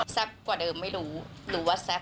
กว่าเดิมไม่รู้รู้ว่าแซ่บ